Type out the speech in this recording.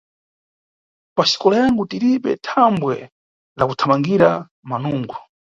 Paxikola yangu tiribe thambwe la kuthamulira manungo